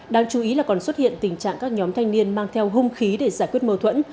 đáng chú ý là còn xuất hiện tình trạng các nhóm thanh niên mang theo hung khí để giải quyết mâu thuẫn